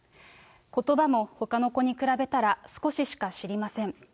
ことばもほかの子に比べたら少ししか知りません。